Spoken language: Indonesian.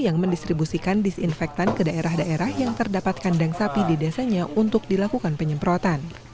yang mendistribusikan disinfektan ke daerah daerah yang terdapat kandang sapi di desanya untuk dilakukan penyemprotan